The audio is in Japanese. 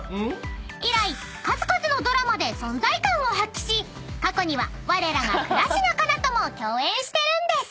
［以来数々のドラマで存在感を発揮し過去にはわれらが倉科カナとも共演してるんです］